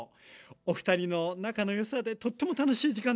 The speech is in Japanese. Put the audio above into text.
おふたりの仲の良さでとっても楽しい時間でした！